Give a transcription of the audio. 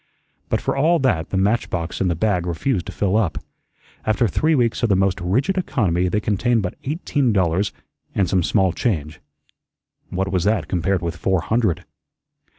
But for all that the match box and the bag refused to fill up; after three weeks of the most rigid economy they contained but eighteen dollars and some small change. What was that compared with four hundred?